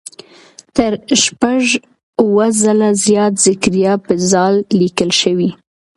تر شپږ اووه ځله زیات زکریا په "ذ" لیکل شوی.